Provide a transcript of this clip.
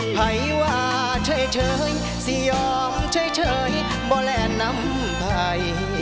ไฮว่าเฉยสิยอมเฉยบ่แลน้ำไพ่